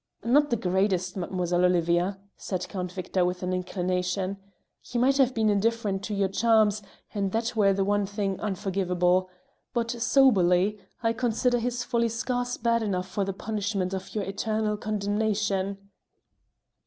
"Not the greatest, Mademoiselle Olivia," said Count Victor with an inclination; "he might have been indifferent to your charms, and that were the one thing unforgivable. But soberly, I consider his folly scarce bad enough for the punishment of your eternal condemnation."